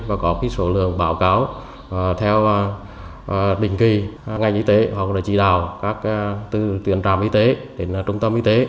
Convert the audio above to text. và có số lượng báo cáo theo định kỳ ngành y tế hoặc là chỉ đào từ tuyển trạm y tế đến trung tâm y tế